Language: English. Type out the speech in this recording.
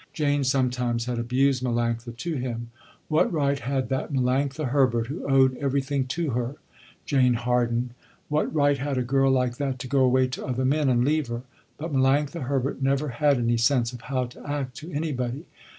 Jane sometimes had abused Melanctha to him. What right had that Melanctha Herbert who owed everything to her, Jane Harden, what right had a girl like that to go away to other men and leave her, but Melanctha Herbert never had any sense of how to act to anybody.